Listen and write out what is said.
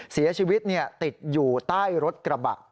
เสียชีวิตติดอยู่ใต้รถกระบะ